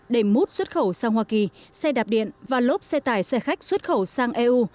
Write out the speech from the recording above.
để mút xuất khẩu sang hoa kỳ xe đạp điện và lốp xe tải xe khách xuất khẩu sang eu